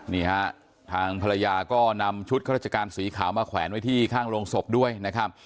นี่ฮะทางภรรยาก็นำชุดข้าราชการสีขาวมาแขวนไว้ที่ข้างโรงศพด้วยนะครับ